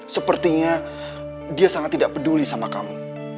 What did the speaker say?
sepertinya dia sangat tidak peduli sama kamu